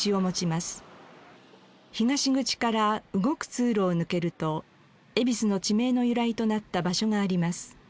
東口から動く通路を抜けると恵比寿の地名の由来となった場所があります。